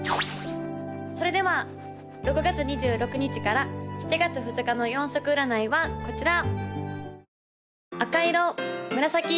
・それでは６月２６日から７月２日の４色占いはこちら！